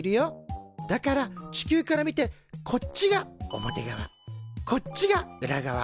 だから地球から見てこっちが表側こっちが裏側。